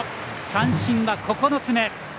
三振は９つ目。